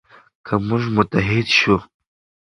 که موږ متحد شو.